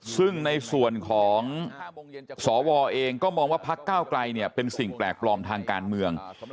ซึ่งในส่วนของสวเองก็มองว่าพักก้าวไกลเนี่ยเป็นสิ่งแปลกปลอมทางการเมือง